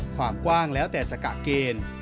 ความกว้างแล้วแต่จะกะเกณฑ์